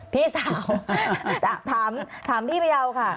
พี่สาวถามพี่พยาวค่ะ